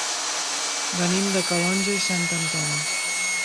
Venim de Calonge i Sant Antoni.